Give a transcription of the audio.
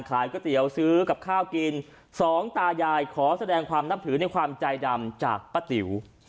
ก๋วยเตี๋ยวซื้อกับข้าวกินสองตายายขอแสดงความนับถือในความใจดำจากป้าติ๋ว